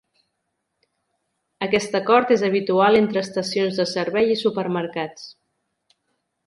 Aquest acord és habitual entre estacions de servei i supermercats.